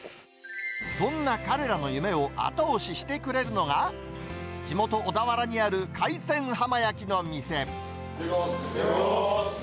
そんな彼らの夢を後押ししてくれるのが、地元、小田原にある海鮮いただきます。